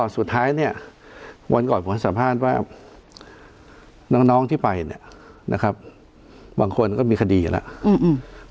สุดท้ายเนี่ยวันก่อนผมสับผ้านว่าน้องที่ไปบางคนก็มีคดีแล้ว